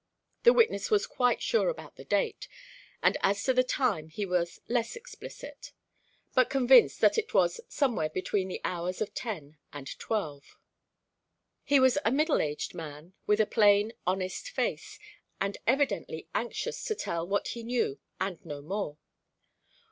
The witness was quite sure about the date, and as to the time he was less explicit, but convinced that it was somewhere between the hours of ten and twelve. He was a middle aged man with a plain, honest face, and evidently anxious to tell what he knew and no more.